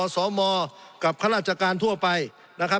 สงบจนจะตายหมดแล้วครับ